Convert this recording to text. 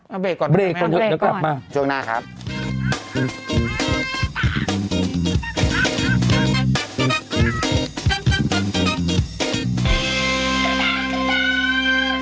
เอาเบรกก่อนไม่เอาเบรกก่อนจงหน้าครับมาเบรกก่อนแล้วกลับมา